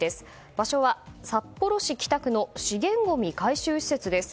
場所は、札幌市北区の資源ごみ回収施設です。